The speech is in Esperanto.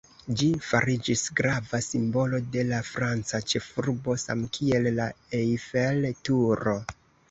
Ĝi fariĝis grava simbolo de la franca ĉefurbo, samkiel la Eiffel-Turo.